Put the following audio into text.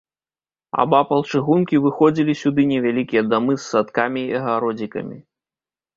Абапал чыгункі выходзілі сюды невялікія дамы з садкамі і агародзікамі.